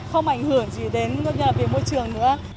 không ảnh hưởng gì đến môi trường